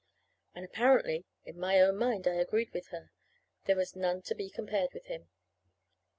And apparently, in my own mind, I agreed with her there was none to be compared with him.